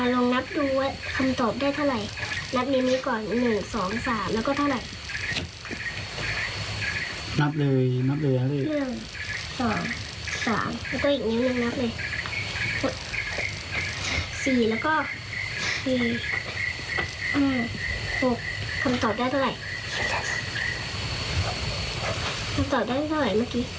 นับเลย